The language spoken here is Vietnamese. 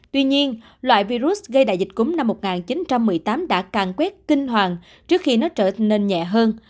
tuy nhiên loại virus gây đại dịch cúng năm một nghìn chín trăm một mươi tám đã càng quét kinh hoàng trước khi nó trở nên nhẹ hơn